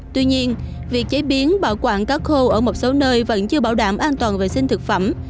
tuy nhiên việc chế biến bảo quản cá khô ở một số nơi vẫn chưa bảo đảm an toàn vệ sinh thực phẩm